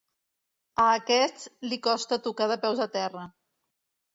A aquest li costa tocar de peus a terra.